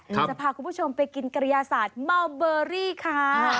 จะพาคุณผู้ชมไปกินกระยาศาสตร์เมาเบอรี่ค่ะ